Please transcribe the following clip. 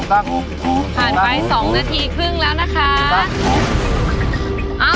ผ่านไป๒นาทีครึ่งแล้วนะคะ